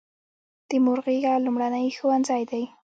د مور غیږه لومړنی ښوونځی دی.